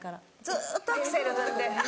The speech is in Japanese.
ずっとアクセル踏んで。